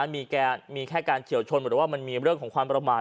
มีแค่การเฉียวชนหรือว่ามันมีเรื่องของความประมาท